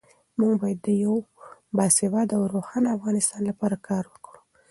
موږ باید د یو باسواده او روښانه افغانستان لپاره کار وکړو.